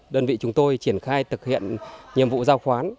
đơn vị chúng tôi triển khai thực hiện nhiệm vụ giao khoán